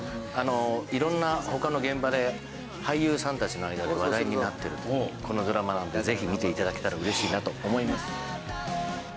色んな他の現場で俳優さんたちの間で話題になっているというこのドラマなのでぜひ見て頂けたら嬉しいなと思います。